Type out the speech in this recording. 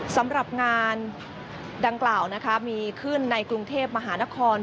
สำหรับงานดังกล่าวนะคะมีขึ้นในกรุงเทพมหานคร